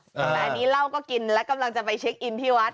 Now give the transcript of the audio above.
แต่อันนี้เหล้าก็กินและกำลังจะไปเช็คอินที่วัด